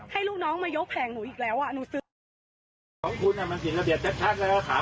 ให้ลูกน้องมายกแผงหนูอีกแล้วอ่ะหนูซื้อ